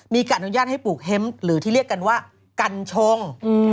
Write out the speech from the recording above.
มีการอนุญาตให้ปลูกเฮ้มหรือที่เรียกกันว่ากัญชง